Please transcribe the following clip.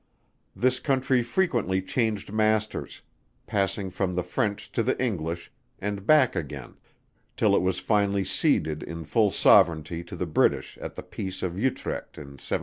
This country frequently changed masters; passing from the French to the English, and back again, till it was finally ceded in full sovereignty to the British at the peace of Utrecht in 1713.